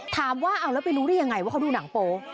ถามว่าเอาแล้วไปรู้ได้ยังไงว่าเขาดูหนังโป๊